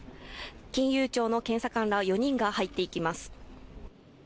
金融庁の検査官ら４人が入っていきます